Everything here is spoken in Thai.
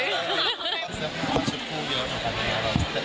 เมื่อใส่เสื้อผ้าชุดผู้เยอะแบบนี้